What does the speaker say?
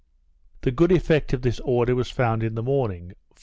The good effect of this order was found in the morning.